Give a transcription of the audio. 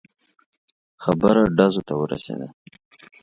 خبره ډزو ته ورسېده.